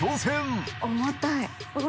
重たい。